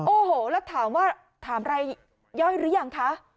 โอ้โหแล้วถามว่าถามรายย่อยหรือยังคะ